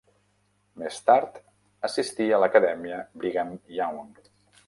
Més tard assistí a l'Acadèmia Brigham Young.